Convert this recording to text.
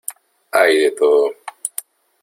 hay de todo.